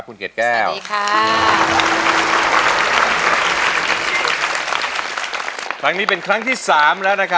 คือเป็นคนจิตอ่อนนะค่ะ